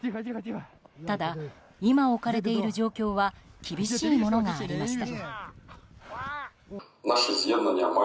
ただ、今置かれている状況は厳しいものがありました。